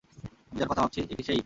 আমি যার কথা ভাবছি এটা কি সে-ই?